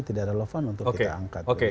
tidak relevan untuk kita angkat